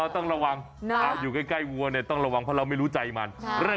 ต้องระวังอยู่ใกล้วัวเนี่ยต้องระวังเพราะเราไม่รู้ใจมัน